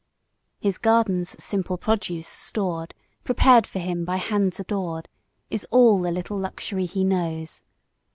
His garden's simple produce stored, Prepared for him by hands adored, Is all the little luxury he knows.